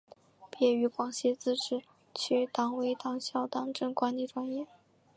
毕业于广西自治区党委党校党政管理专业。